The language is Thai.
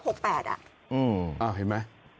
เห็นไหม